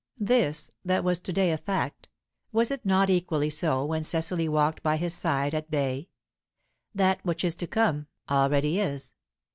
This that was to day a fact, was it not equally so when Cecily walked by his side at Baiae? That which is to come, already is.